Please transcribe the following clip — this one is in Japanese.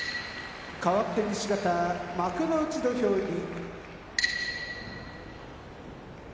かわって西方幕内土俵入り。